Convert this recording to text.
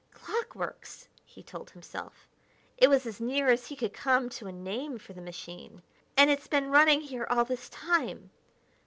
"Clockworks!" he told himself it was as near as he could come to a name for the machine "and it's been running here all this time....